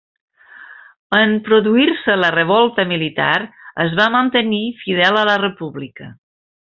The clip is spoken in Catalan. En produir-se la revolta militar es va mantenir fidel a la República.